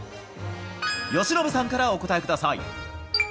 由伸さんからお答えください。